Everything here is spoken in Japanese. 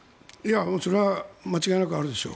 それは間違いなくあるでしょう。